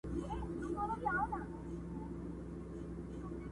په لومړۍ شپه وو خپل خدای ته ژړېدلی!!